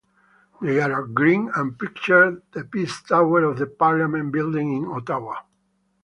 They are green, and picture the Peace Tower of the Parliament building in Ottawa.